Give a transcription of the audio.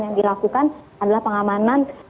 yang dilakukan adalah pengamanan